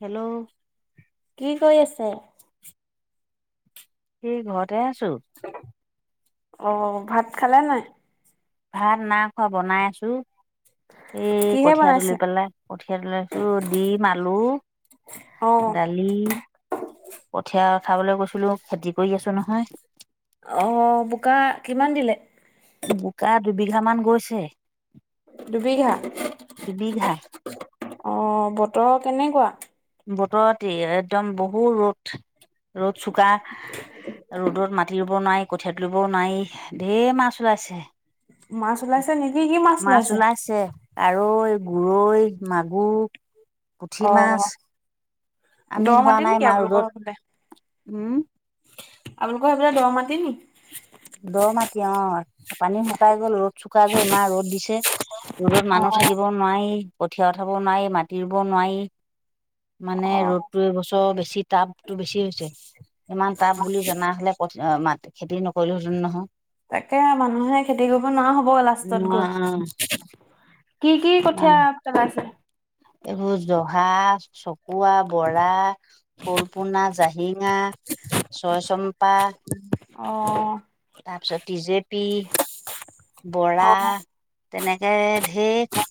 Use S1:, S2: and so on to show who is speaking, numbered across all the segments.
S1: Hello.
S2: কি কৰি আছে?
S1: সেই ঘৰতে আছো।
S2: অ ভাত খালে নাই?
S1: ভাত না খোৱা বনাই আছো এই
S2: কিহে
S1: কঠীয়া তুলি
S2: বনাইছে?
S1: পেলাই। কঠিয়া তোলাইছো ডিম, আলু,
S2: অ'।
S1: দালি কঠীয়া উঠাবলৈ গৈছিলো খেতি কৰি আছো নহয়।
S2: অ বোকা কিমান দিলে?
S1: বোকা দুবিঘা মান গৈছে।
S2: দুবিঘা
S1: দুবিঘা
S2: অহ বতৰ কেনেকুৱা?
S1: বতৰ একদম বহুত ৰ'দ ৰ'দ চোকা ৰ'দত মাটি ৰুব নাই, কঠিয়াতুলিব নাই, ঢেৰ মাছ উলাইছে
S2: মাছ ওলাইছে নেকি? কি
S1: মাছ ওলাইছে আৰু গৰৈ, মাগুৰ, পুঠি মাছ
S2: অ',
S1: আমি
S2: দ
S1: ধৰা
S2: মাতি
S1: নাই
S2: নেকি
S1: মা ৰ'দত
S2: আপোনালোকৰ সেই ফালে?
S1: উম
S2: আপোনালোকৰ সেইফালে দ মাটি নিকি?
S1: দ মাটি অ পানী শুকাই গ'ল ৰ'দ চুকা যে ইমান ৰ'দ দিছে। দূৰত মানুহ
S2: অ',
S1: থাকিব নোৱাৰি, কঠীয়া উঠাব নোৱাৰি, মাতি ৰুব নোৱাৰি মানে
S2: অ',
S1: ৰ'দতটো এইবছৰ বেছি টাবতটো বেছি হৈছে। ইমান টাপ বুলি জনা হ'লে কঠি ম খেতি নকৰিলোহেতেন নহয়।
S2: তাকে মানুহে খেতি কৰিব নোৱাৰা হ'ব লাষ্টত গৈ। কি কি কঠীয়া পেলাইছে।
S1: এইবোৰ জহা, চকুৱা, বৰা, শোলপোনা, জাহিঙা, ছয়চম্পা,
S2: অ
S1: তাৰপিছত টি জেপি, বৰা
S2: অ',
S1: তেনেকে ঢেৰ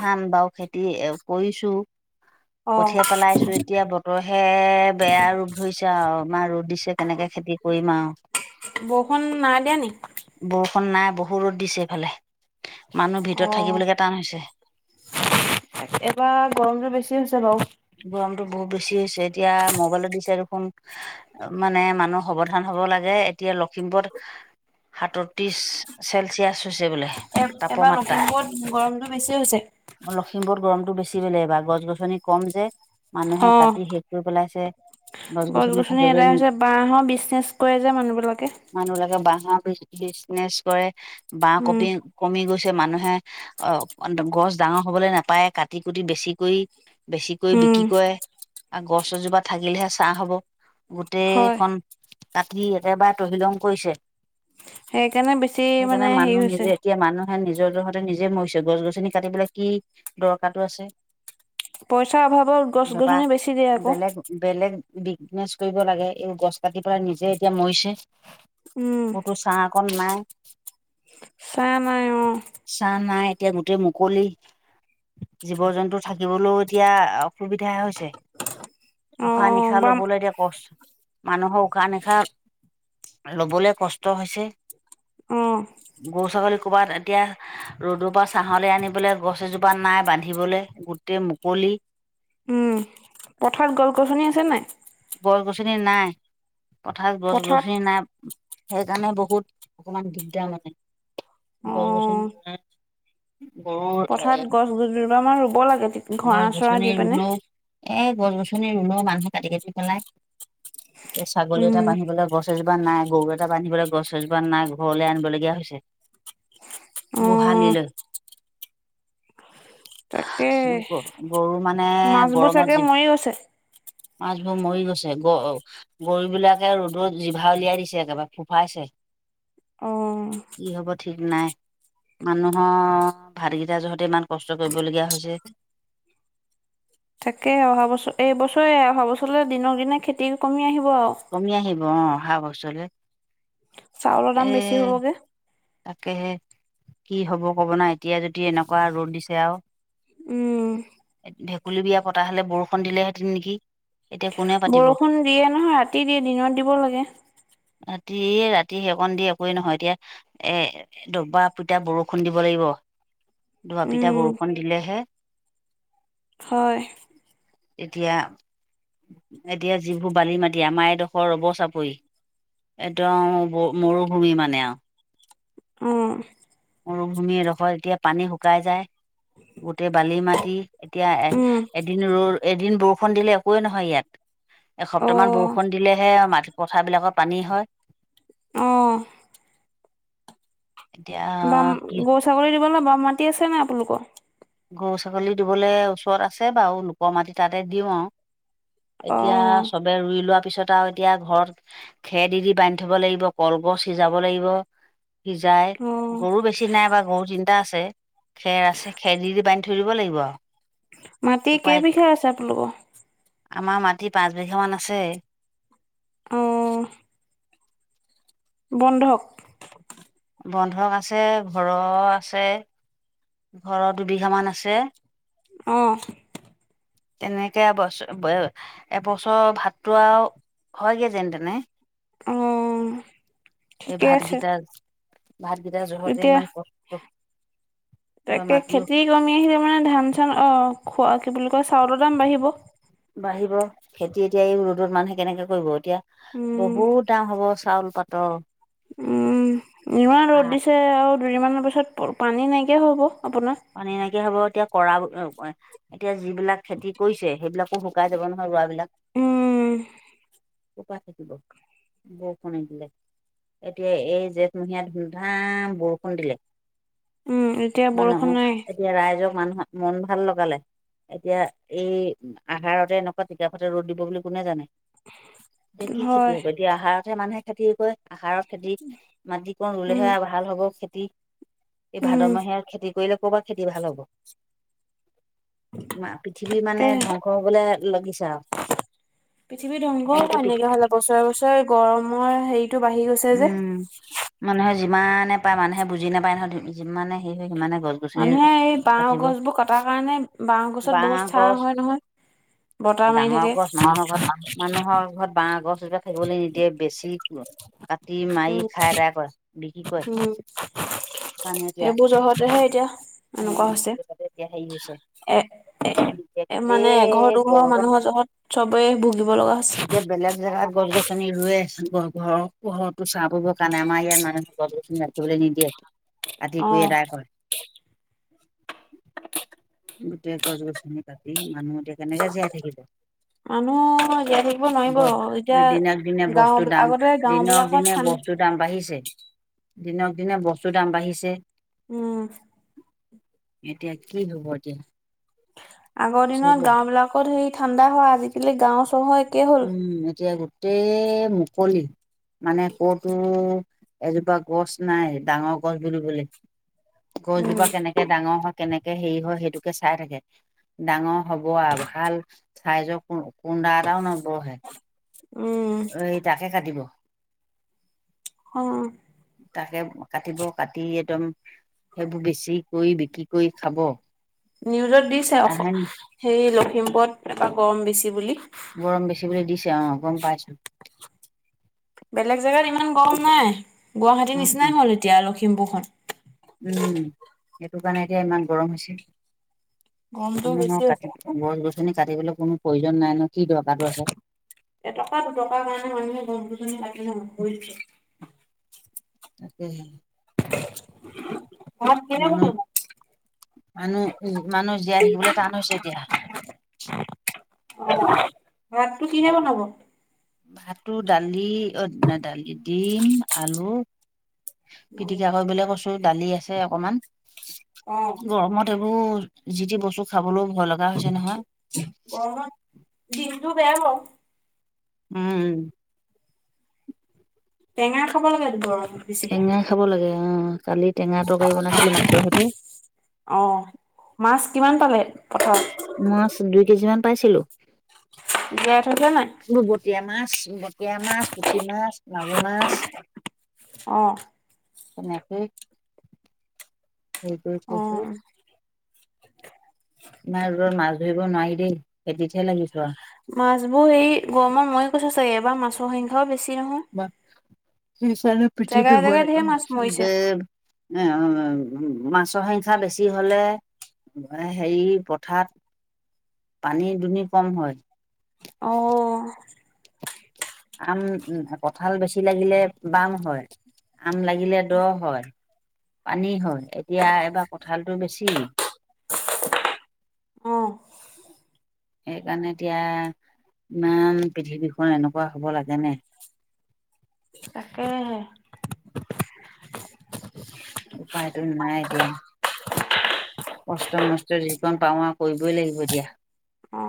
S1: ধান বাও খেতি কৰিছো
S2: অ',
S1: কঠিয়া পেলাইছোঁ এতিয়া বতৰ হে বেয়া ৰোপ ধৰিছে আৰু ইমান ৰ'দ দিছে কেনেকে খেতি কি কৰিম আ
S2: বৰষুণ নাই দিয়া নি?
S1: বৰষুণ নাই বহু ৰ'দ দিছে এইফালে মানুহ ভিতৰত থাকিবলৈকে টান হৈছে।
S2: এবাৰ গৰমটো বেছি হৈছে বাৰু
S1: গৰমটো বহুত বেছি। হৈছে এতিয়া মোবাইলত দিছে দেখোন মানে মানুহ সাৱধান হ'ব লাগে এতিয়া লখিমপুৰ সাতত্ৰিশ চেলচিয়াছ হৈছে বোলে
S2: এ এবাৰ
S1: তাপমাত্ৰা।
S2: লখিমপুৰত গৰমটো বেছি হৈছে।
S1: বেছি বেলেগ বা গছ-গছনি কম যে মানুহে
S2: অ',
S1: কাটি শেষ কৰি পেলাইছে।
S2: গছ
S1: গছ-গছনি
S2: গছনি
S1: থাকিবলৈ
S2: এদাই
S1: নি
S2: হৈছে বাঁহৰ বিজনেছ কৰে যে মানুহ বিলাকে।
S1: মানুহিলাকে বহ বিজনেচ কৰে বা কপি কমি গৈছে মানুহে অ গছ ডাঙৰ হ'বলৈ নাপায় কাটি কুটি বেছি কৰি বেছিকৈ বিক্ৰী
S2: উম,
S1: কৰে আৰু গছ এজোপা থাকিলেহে ছা হ'ব।
S2: হয়
S1: গোটেইখন কাটি একেবাৰে তহিলং কৰিছে।
S2: সেইকাৰণে বেছি মানে
S1: সেইকাৰণে
S2: হেৰি
S1: মানুহ
S2: হৈছে।
S1: নিজে এতিয়া মানুহ নিজৰজহতে নিজে মৰিছে গছ গছনি কাটিবলৈ কি দৰকাৰটো আছে।
S2: পইচাৰ অভাৱত গছ
S1: বেপা
S2: গছনি বেছি দিয়ে আকৌ
S1: বেলেগ বেলেগ বিগনেছ কৰিব লাগে এই গছ কাটিৰ পৰা নিজে এতিয়া মৰিছে।
S2: উম।
S1: কন নাই।
S2: চাহ নাই অ',
S1: ছা নাই এতিয়া গোটেই মুকলি জীৱ জন্তু থাকিবলৈও এতিয়া অসুবিধাহ হৈছে উশাহ
S2: অ',
S1: নিশাহ
S2: বাম
S1: ল'বলৈ এতিয়া কষ্ট। মানুহৰ উশাহ নিশাহ ল'বলৈ কষ্ট হৈছে।
S2: অ।
S1: গৰু ছাগলী ক'বাত এতিয়া ৰ'দৰ পৰা ছাহলৈ আনি পেলাই গছ এজোপা নাই বান্ধিবলৈ গোতেই মুকলি
S2: উম, পথাৰত গছ গছনি আছে নাই।
S1: গছ গছনি নাই পথাৰত গছ গছনি নাই। সেইকাৰণে বহুত অকনমান দিগদাৰ লাগে। গছ- গছনি
S2: অ',
S1: গৰুৰ এ
S2: পথাৰত গছ দুজোপা মান ৰুব লাগে ঘৰা
S1: গছ-
S2: চৰা
S1: গছনি
S2: দি পিনে
S1: ৰুলো গছ-গছনি ৰুলও মানুহে কাটি-কাটি পেলাই এয়া ছাগলী এটা
S2: উম,
S1: বান্ধিবলৈ গছ গছ এজোপা নাই গৰু এটা বান্ধিবলৈ গছ এজোপা নাই ঘৰলৈ আনিবলগীয়া হৈছে।
S2: অ',
S1: গোহালিলে।
S2: তাকে
S1: শ কৰ গৰম মানে
S2: মাছবোৰ
S1: গৰমত
S2: চাগে
S1: জি
S2: মৰি গৈছে।
S1: বোৰ মৰি গৈছে গ গৰু বিলাকে ৰ'দত জিভা উলিয়াই দিছে একেবাৰে ফুফাইছে
S2: [inaudible]
S1: কি হব ঠিক নাই। মানুহৰ ভাতকেইটা জহাতে ইমান কষ্ট কৰিবলগীয়া হৈছে।
S2: তাকে অহা বছৰ এই বছৰে অহা বছৰলৈ দিনৰক দিনে খেতি কমি আহিব। আৰু
S1: কমি আহিব অ অহা বছৰলৈ
S2: চাউলৰ দাম বেছি হ'বগে।
S1: তাকেহে কি হব কব না এতিয়া যদি এনেকুৱা ৰ'দ দিছে আৰু
S2: উম
S1: ভেকুলী বিয়া পতা হলে বৰষুন দিলে হেতেন নেকি। এতিয়া কোনে পাতিব
S2: বৰষুণ দিয়ে নহয় ৰাতি দিয়ে দিনত দিব লাগে।
S1: ৰাতি ৰাতি সেইকণ দি একোৱেইে নহয় এতিয়া। এ দবা পিতা বৰষুণ দিব লাগিব।
S2: উম
S1: ডবাপিতা বৰষুণ দিলেহে
S2: হয়।
S1: এতিয়া-এতিয়া যিবোৰ বালি মাতি আমাৰ এই ডোখৰ ৰব চাপৰি একদম মৰুভূমি মানে আৰু
S2: অহ
S1: মৰুভূমিডখৰ এতিয়া পানী শুকাই যায় গোটেই বালি মাটি এতিয়া এ
S2: উম
S1: এদিন ৰ এদিন বৰষুণ দিলে একোৱেই নহয় ইয়াত
S2: অ
S1: এসপ্তাহমান বৰষুণ দিলেহে মাটি পথাৰবিলাকত পানী হয়।
S2: অঁ
S1: এতিয়া
S2: বাম
S1: কি
S2: গৰু ছাগলী দিবলৈ বাম মাটি আছে নাই আপোনালোকৰ
S1: গৰু ছাগলী দিবলৈ ওচৰত আছে বাৰু লোকৰ মাটি তাতে দিওঁ আৰু
S2: অ
S1: এতিয়া চব ৰুই লোৱা পিছত আৰু এতিয়া ঘৰত খেৰ দি দি বান্ধি থব লাগিব কলগছ সিজাব লাগিব সিজাই
S2: অ
S1: গৰু বেছি নাই বা গৰু তিনিটা আছে খেৰ আছে। খেৰ দি বান্ধি থৈ দিব লাগিব আৰ
S2: মাটি কেই বিঘা আছে আপোনালোকৰ
S1: আমাৰ মাটি পাঁচ বিঘা মান আছে।
S2: উম বন্ধক
S1: বন্ধক আছে, ঘৰৰ আছে। ঘৰত দুবিঘা মান আছে।
S2: অঁ।
S1: তেনেকে বছৰ এবছৰ ভাতটো আৰু হয়গে যেন তেনে।
S2: উম
S1: এই ভাতকেইটা ভাতকেইটা জহতে
S2: এতিয়া
S1: ইমান কষ্ট। এইবাৰ
S2: তাকে
S1: মাটিও
S2: খেতি কমি আহিলে মানে ধান-চান অ খোৱা কি বুলি তই চাউলৰ দাম বাঢ়িব
S1: বাঢ়িব খেতি এতিয়া এই ৰ'দত মানুহে কেনেকে কৰিব এতিয়া
S2: উম
S1: বহুত দাম হব চাউল পাতৰ।
S2: উম ইমান ৰ'দ
S1: ভাত
S2: দিছে আৰু দুদিনমানৰ পিছত পানী নাইকিয়া হ'ব আপোনাৰ।
S1: মানে এনেকে হ'ব এতিয়া কৰা এতিয়া যিবিলাক খেতি কৰিছে সেইবিলাকো শুকাই যাব নহয় ৰোৱাবিলাক।
S2: উম
S1: কৰপৰা থাকিব [inaudible] বৰষুণ নিদিলে এতিয়া এই জেঠমহীয়া ধুমধাম বৰষুণ দিলে।
S2: উম এতিয়া বৰষুণ
S1: মানুহক
S2: নাই
S1: এতিয়া ৰাইজক মানুহ মন ভাল লগালে। এতিয়া এই আহাৰতে এনেকুৱা টিকাফতা ৰ'দ দিব বুলি কোনে জানে এতিয়া কি খেতি
S2: হয়
S1: হব এতিয়া আহাৰতে মানুহে খেতি কৰে আহাৰৰ খেতি মাটিকণ
S2: উম
S1: ৰুলেহে ভাল হ'ব খেতি এই
S2: উম
S1: ভাদমহীয়া খেতি কৰিলে কৰ'বাত খেতি ভাল হ'ব পৃথিৱী মানে
S2: তাকেহে
S1: ধ্বংস হবলৈ লাগিছে আৰু
S2: পৃথিৱী ধ্বংস এনেকে হলে বছৰে বছৰে গৰমৰ হেৰি
S1: উম মানুহে যিমানে পায় মানুহে বুজি নাপায় নহয় যিমানে সেই সিমানে গছ গছনি
S2: মানুহে এই বাঁহ
S1: কাতিবই
S2: গছবোৰ কটাৰ কাৰণে গছত
S1: বাঁহ
S2: বহুত ছাঁ
S1: গছ
S2: হয় নহয়। বতাহ মাৰি
S1: ডাঙৰ
S2: থাকে
S1: গছ মানুহৰ ঘৰত মানুহৰ ঘৰত বাঁহ গছ এজোপা থাকিবলৈ নিদিয়ে বেছি কাটি
S2: উম
S1: মাৰি খাই আদায় কৰে
S2: উম
S1: বিক্ৰী কৰে
S2: সেইবোৰ জহতহে এতিয়া এনেকুৱা হৈছে
S1: এতিয়া হেৰি হৈছে
S2: এ এ
S1: [unintelligible] [inaudible]
S2: মানে এঘৰ দুঘৰ মানুহৰ জহত চবেই ভুগিব লগা হৈছে।
S1: এইবিলাক জেগাত গছ গছনি ৰুয়ে আছ ঘৰৰ ঘৰতো চাহ পৰিৰ কাৰণে আমাৰ ইয়াত মানুহ গছ-গছনি ৰাখিবলৈ নিদিয়ে কাটি কুয়ি এদায় কৰে গোটেই গছ গছনি কাটি মানুহ এতিয়া কেনেকে জীয়াই থাকিব
S2: মানুহ জীয়াই থাকিব
S1: ব
S2: নোৱাৰিব এতিয়া
S1: দিনক দিনে
S2: গাঁও
S1: বস্তু দাম
S2: আগতে গাঁও
S1: দিনক
S2: বিলাকত
S1: দিনে
S2: ঠান
S1: বস্তু দাম বাঢ়িছে দিনক দিনে বস্তুৰ দাম বাঢ়িছে
S2: উম
S1: এতিয়া কি হব এতিয়া
S2: আগৰ
S1: চব
S2: দিনত গাওঁবিলাকত সেই ঠাণ্ডা হয় আজিকালি গাওঁ চহৰত
S1: উম এতিয়া গোটেই মুকলি মানে ক'তো এজোপা গছ নাই ডাঙৰ গছ বুলিবলে
S2: উম।
S1: গছজোপা কেনেকে ডাঙৰ হয় কেনেকে হেৰি হয় সেইটোকে চাই থাকে ডাঙৰ হব আউ ভাল চাইজ কুডা এটাও নবহে
S2: উম
S1: এই তাকে কাটিব
S2: অ
S1: তাকে কাটিব কাটি একদম সেইবোৰ বেছি কৰি বিক্ৰী কৰি খাব।
S2: নিউজত দিছে
S1: তাহে
S2: সেই লখিমপুৰত এবা গৰম বেছি বুলি
S1: গৰম বেছি বুলি দিছে অ গম পাইছোঁ
S2: বেলেগ জেগাত ইমান গম নাই গুৱাহাটীৰ নিচিনাই
S1: উম
S2: হল এতিয়া লখিমপুৰখন
S1: উম সেইটো কাৰণে এতিয়া ইমান গৰম
S2: গৰমটো
S1: হৈছে ম
S2: বেছি
S1: কা
S2: হৈছে।
S1: গছ গছনি কাটিবলৈ কোনো প্ৰয়োজন নাই ন কি দৰকাৰটো আছে
S2: এটকা দুটকা কাৰণে মানুহে গছ গছনি কাটি ধখ কৰিলে
S1: তাকে
S2: ভাত কিহেৰে
S1: মানুহ
S2: বনালা
S1: মানুহ মানুহ জীয়াই থাকিবলৈ টান হৈছে এতিয়া
S2: ভাতটো কিহে বনাব
S1: ভাতো দালি দালি ডিম আলু পিটিকা কৰিবলৈ কৈছো দালি আছে অকমান
S2: অ',
S1: গৰমত এইবোৰ যি যিতি বস্তু খাবলো
S2: গৰমত দিনটো বেয়া বাউ
S1: উম
S2: টেঙা খাব লাগে গৰম
S1: টেঙা খাব লাগে অ কালি টেঙা তৰকাৰী বনাইছিলো মাছৰ সৈতে
S2: পথাত
S1: মাছ দুই কেজি মান পাইছিলো
S2: গেপ
S1: বটীয়া মাছ বটীয়া মাছ পুঠি মাছ মাগো মাছ
S2: অ
S1: তেনেকেই সেই কৰি থৈ যে
S2: অ'।
S1: ইমান ৰদত মাছ ধৰিব নোৱাৰি দেই খেতিত
S2: মাছ বোৰ এই গৰমত মৰি গৈছে চাগে এবাৰ মাছৰ সংখাওঁ বেছি হয়
S1: বেও
S2: জেগাই জেগাই ঢেৰ মাছ মৰিছে।
S1: [unintelligible] এ মাছৰ হৈখিয়াহ বেছি হলে [unintelligible] হেৰি পথাত পানী দুনি কম হয়
S2: অহ
S1: আম কঠাল বেছি লাগিলে বাম হয় আম লাগিলে দ হয় পানী হয় এতিয়া এবাৰ কঁঠালটো বেছি
S2: অ
S1: সেইকাৰণে এতিয়া ইমান পৃথিৱীখন এনেকুৱা হ'ব লাগেনে
S2: তাকেহে
S1: উপায়তো নাই দিয়া কষ্ট মষ্ট যিকণ পাওঁ আৰু কৰিবই লাগিব দিয়া
S2: অ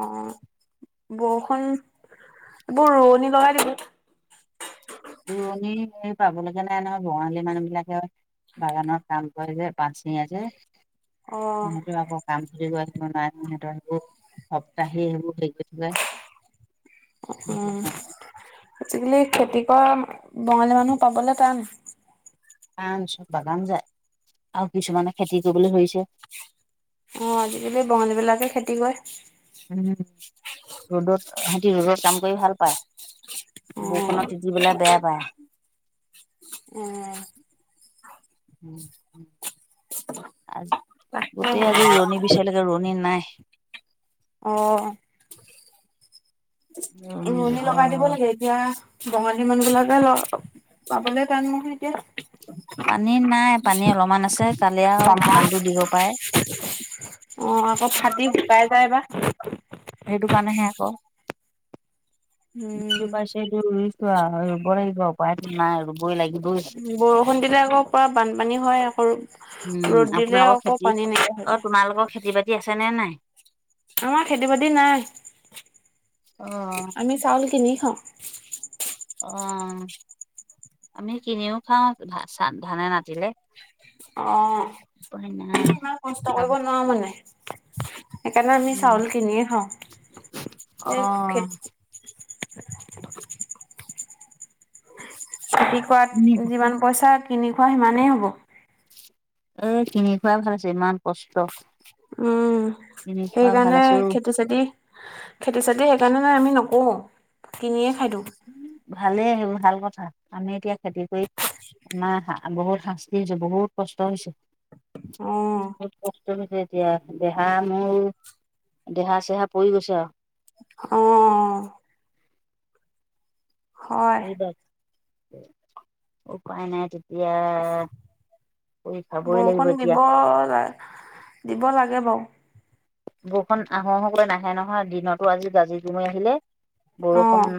S2: বৰষুণ এইবৌ ৰোৱনী লগাই দিবি [unintelligible]
S1: ৰুৱণি হেৰি পাব লগীয়া নাই নহয় বঙালী মানুহ বিলাকে বাগানত কাম কৰে যে [unintelligible] পাত চিঙে যে
S2: অ',
S1: সিহঁতৰ আকৌ কাম খতি [unintelligible] কৰিব সিহঁতৰ হেবু সপ্তাহেই সেইবোৰ [unintelligible] সেইটো
S2: উম
S1: কাৰণে
S2: আজিলে খেত অ বঙালী মানুহ পাবলৈ টান।
S1: কাৰ চব বাগান যায় আৰু কিছুমানে খেতি কৰিবলৈ ধৰিছে।
S2: অ আজিকালি বঙালী বিলাকে খেতি কৰে।
S1: উ ৰ'দত সিহতি ৰ'দত কাম কৰি ভাল পায়। বৰষুণত তিতি পেলাই বেয়া পায়।
S2: উম
S1: উম আ
S2: তাকে
S1: গোটেই আজি ৰোৱনী বিচাৰিলেকে ৰোৱনী নাই।
S2: অ ৰোৱনী লগাই দিব লাগে এতিয়া বঙালী মানুহ বিলাকে পাবলে টান নহ এতিয়া।
S1: পানী নাই পানী অলপমান আছে কালিও আৰু কিমান টো দিব পাৰে।
S2: অ আকৌ ফাটি শুকাই যায় বা।
S1: মানেহে আকৌ।
S2: উম
S1: জিপাইছো ৰুইছো আও ৰুব লাগিব উপাইটো নাই [unintelligible] লাগিলো [unintelligible]
S2: কোনদিনা আকৌ পৰা বানপানী হয় আকৌ। [unintelligible]
S1: উম
S2: ৰ'দ দিলে
S1: আপোনালোকৰ
S2: আকৌ
S1: খেতি
S2: পানী
S1: অ
S2: নিদে।
S1: তোমালোকৰ খেতি বাতি আছে নে নাই
S2: আমাৰ খেতি বাতি নাই
S1: অ
S2: আমি চাউল কিনি অ
S1: অ আমি কিনিও খাওঁ চাত ধানে নাতিলে।
S2: অ
S1: উপায় নাই
S2: ইমান কষ্ট
S1: খাব
S2: কৰিব নোৱাও মানে। সেইকাৰণে আমি
S1: উম
S2: চাউল কিনিয়ে খাওঁ
S1: অ
S2: এই খেতি। খেতি কৰাত যিমান পইচা কিনি খোৱা সিমানেই হ'ব
S1: এ কিনি খুৱাই ভাল ইমান কষ্ট।
S2: উম
S1: কিনি খোৱা ভাল
S2: সেইকাৰণে
S1: আছো
S2: খেতি চেতি খেতি চেতি সেইকাৰণে আমি নকোও কিনিয়ে খাই দিওঁ।
S1: ভালেই আহিব ভাল কথা। আমি এতিয়া খেতি কৰি আমাৰ বহুত শাস্তি হৈছে বহুত কষ্ট হৈছে। [unintelligible]
S2: অ',
S1: [unintelligible] এতিয়া দেহা মোৰ দেহা চেহা পৰি গৈছে আৰু।
S2: অ হয়
S1: উপায় নাই তেতিয়া কৰি খাবই লাগিব
S2: বৰষুণ
S1: এতিয়া
S2: দিব লা দিব লাগে বাৰু।
S1: বৰষুণ আহো আহোকৈ নাহে নহয় দিনতো আজি গাজি কুমে আহিলে
S2: অ',
S1: বৰষুণ